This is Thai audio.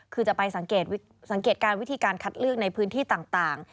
คือจะไปสังเกตการณ์วิธีการคัดเลือกในพื้นที่ต่าง